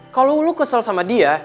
kalo lo kesel sama dia